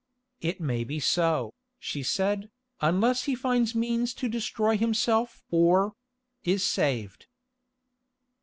"It may be so," she said, "unless he finds means to destroy himself or—is saved."